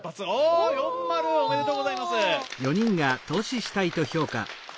お４マルおめでとうございます。